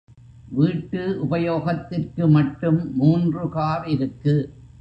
வீட்டு உபயோகத்திற்கு மட்டும் மூன்று கார் இருக்கு.